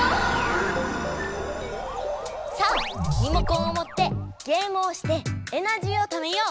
さあリモコンをもってゲームをしてエナジーをためよう！